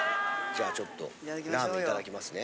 じゃあちょっとラーメンいただきますね。